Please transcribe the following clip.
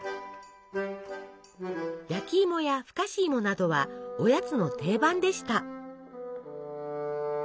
焼きいもやふかしいもなどはおやつの定番でした。